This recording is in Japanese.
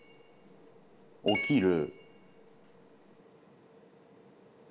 起きる。